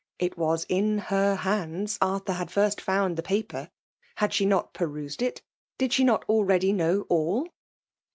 — It was in her hands Arthur had first found the paper. Had she not perused it? — ^Did she not already know all